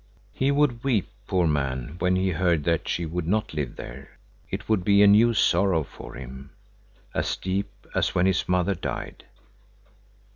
He would weep, poor man, when he heard that she would not live there. It would be a new sorrow for him, as deep as when his mother died.